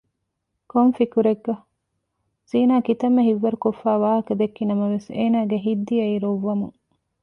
ކޮން ފިކުރެއްގަ؟ ; ޒީނާ ކިތައްމެ ހިތްވަރުކޮށްފައި ވާހަކަ ދެއްކި ނަމަވެސް އޭނަގެ ހިތް ދިޔައީ ރޮއްވަމުން